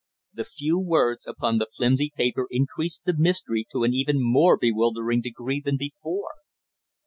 The few words upon the flimsy paper increased the mystery to an even more bewildering degree than before!